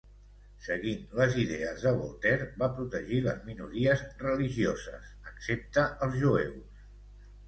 Seguint les idees de Voltaire, va protegir les minories religioses, excepte els jueus.